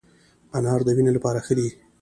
انار د وینې لپاره ښه دی